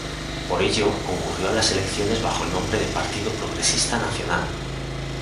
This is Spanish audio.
Por ello, concurrió a las elecciones bajo el nombre de Partido Progresista Nacional.